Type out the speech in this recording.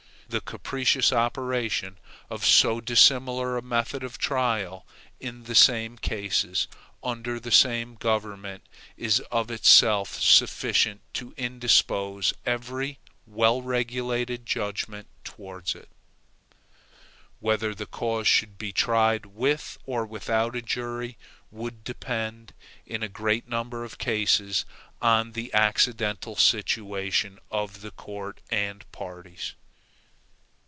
The capricious operation of so dissimilar a method of trial in the same cases, under the same government, is of itself sufficient to indispose every wellregulated judgment towards it. Whether the cause should be tried with or without a jury, would depend, in a great number of cases, on the accidental situation of the court and parties.